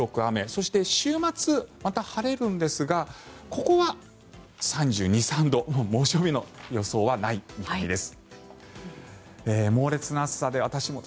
そして、週末また晴れるんですがここは３２３３度猛暑日の予想はないです。